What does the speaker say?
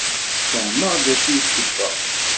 Tessefhem-aɣ-d acu n ssebba.